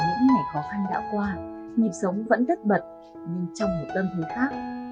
những ngày khó khăn đã qua nhịp sống vẫn thất bật nhưng trong một tâm thứ khác